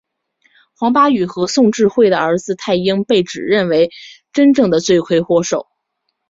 黄巴宇和孙智慧的儿子泰英被指认为真正的罪魁祸首。